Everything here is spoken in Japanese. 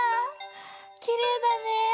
きれいだね。